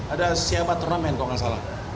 ada siapa turnamen kalau nggak salah